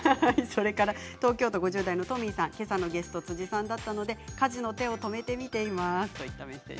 それから東京都、５０代の方けさのゲストは辻さんだったので家事の手を止めて見ています。